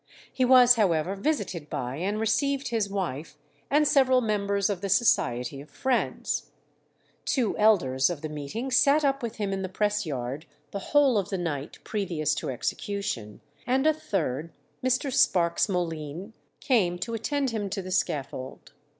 He was, however, visited by and received his wife, and several members of the Society of Friends. Two elders of the meeting sat up with him in the press yard the whole of the night previous to execution, and a third, Mr. Sparks Moline, came to attend him to the scaffold.